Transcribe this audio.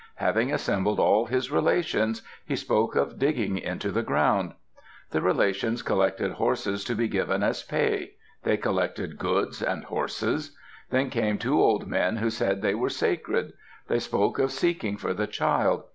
Having assembled all his relations, he spoke of digging into the ground. The relations collected horses to be given as pay; they collected goods and horses. Then came two old men who said they were sacred. They spoke of seeking for the child.